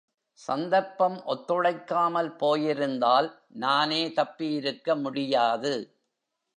சந்தர்ப்பம் ஒத்துழைக்காமல் போயிருந்தால் நானே தப்பியிருக்க முடியாது.